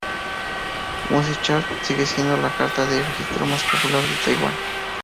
G-Music Chart sigue siendo la carta de registro más popular de Taiwán.